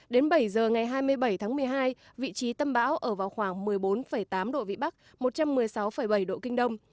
đến bảy giờ ngày hai mươi bảy tháng một mươi hai vị trí tâm bão ở vào khoảng một mươi bốn tám độ vĩ bắc một trăm một mươi sáu bảy độ kinh đông